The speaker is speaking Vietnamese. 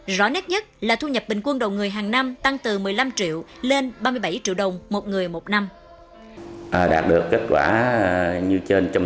rõ nét nhất là thu nhập bình quân đầu người hàng năm tăng từ một mươi năm triệu lên ba mươi bảy triệu đồng một người một năm